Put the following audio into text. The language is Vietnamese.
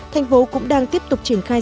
thành phố cũng đang tiếp tục triển khai